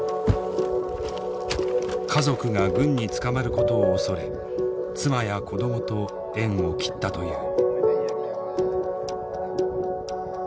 家族が軍に捕まることを恐れ妻や子供と縁を切ったという。